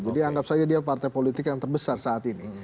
jadi anggap saja dia partai politik yang terbesar saat ini